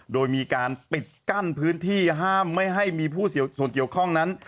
โดยมีการปิดกั้นพื้นที่ห้ามไม่ให้มีผู้ส่วนเกี่ยวข้องนั้น